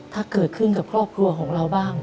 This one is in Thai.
ถ้าเกิดขึ้นกับครอบครัวของเราบ้าง